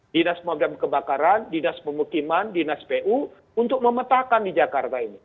dinas pemadam kebakaran dinas pemukiman dinas pu untuk memetakan di jakarta ini